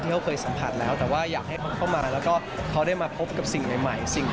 เขาเคยสัมผัสแล้วแต่ว่าอยากให้เขาเข้ามาแล้วก็เขาได้มาพบกับสิ่งใหม่